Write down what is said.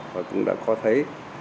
và cũng đã có thấy